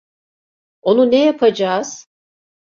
Onu ne yapacağız?